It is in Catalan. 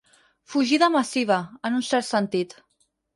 Fugida massiva, en un cert sentit.